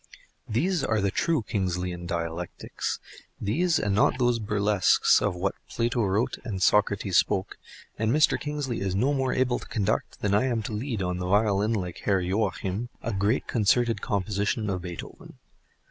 These are the true Kingsleyan dialectics; these, and not those burlesques of what Plato wrote and Socrates spoke, and Mr. Kingsley is no more able to conduct than I am to lead on the violin like Herr Joachim, a great concerted composition of Beethoven.